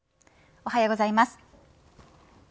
おはようございます。